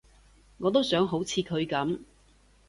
我都想好似佢噉